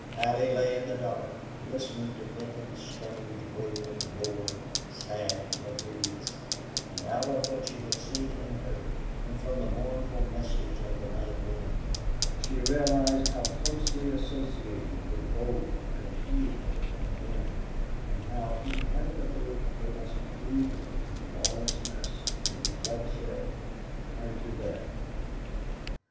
Allie lay in the dark, listening to Benton's strange wailing roar, sad, yet hideous, and out of what she had seen and heard, and from the mournful message on the night wind, she realized how closely associated were gold and evil and men, and how inevitably they must lead to lawlessness and to bloodshed and to death.